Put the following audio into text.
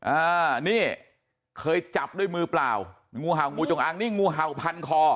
อ่านี่เคยจับด้วยมือเปล่างูเห่างูจงอางนี่งูเห่าพันคอ